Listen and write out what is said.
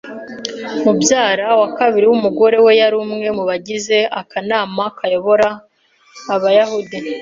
Mubyara wa kabiri wumugore we yari umwe mubagize akanama kayobora abayahudi.